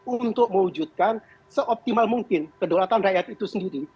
untuk mewujudkan seoptimal mungkin kedaulatan rakyat itu sendiri